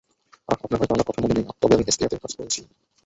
আহ, আপনার হয়তো আমার কথা মনে নেই, তবে আমি হেস্তিয়াতে কাজ করেছি।